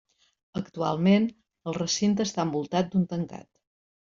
Actualment, el recinte està envoltat d'un tancat.